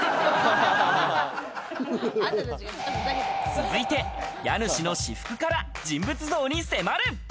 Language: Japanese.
続いて、家主の私服から人物像に迫る。